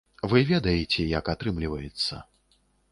Вы ведаеце, як атрымліваецца.